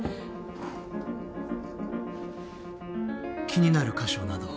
気になる箇所など。